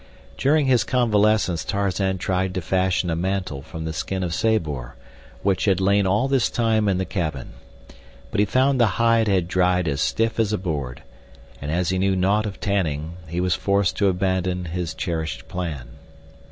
During his convalescence Tarzan tried to fashion a mantle from the skin of Sabor, which had lain all this time in the cabin. But he found the hide had dried as stiff as a board, and as he knew naught of tanning, he was forced to abandon his cherished plan.